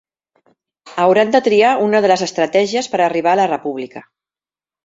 Hauran de triar una de les estratègies per arribar a la República